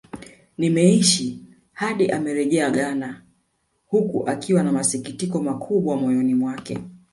Nimeishi hadi amerejea Ghana huku akiwa na masikitiko makubwa moyono mwake